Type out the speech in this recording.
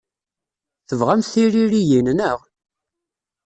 Tebɣamt tiririyin, naɣ?